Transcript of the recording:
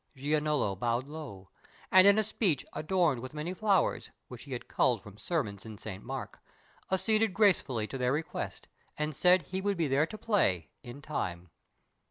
Giannolo bowed low, And in a speech adorned with many flowers, Which he had culled from sermons in Saint Mark, Acceded gracefully to their request, And said he would be there to play, in time.